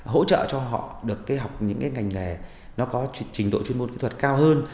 hỗ trợ cho họ được học những cái ngành nghề nó có trình độ chuyên môn kỹ thuật cao hơn